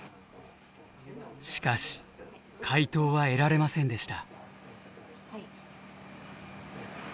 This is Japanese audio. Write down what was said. しかし回答は得られませんでした。